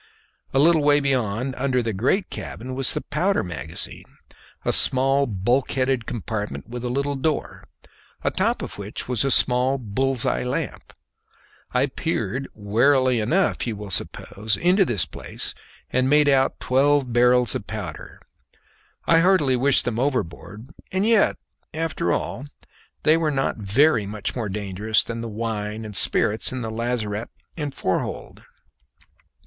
A little way beyond, under the great cabin, was the powder magazine, a small bulkheaded compartment with a little door, atop of which was a small bull's eye lamp. I peered warily enough, you will suppose, into this place, and made out twelve barrels of powder. I heartily wished them overboard; and yet, after all, they were not very much more dangerous than the wine and spirits in the lazarette and fore hold.